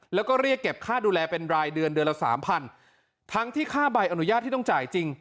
แล้วก็เรียกเก็บค่าดูแลเป็นรายเดือนเดือนละสามพันทั้งที่ค่าใบอนุญาตที่ต้องจ่ายจริง